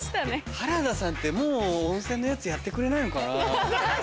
原田さんってもう温泉のやつやってくれないのかな？